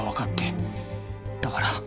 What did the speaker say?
だから。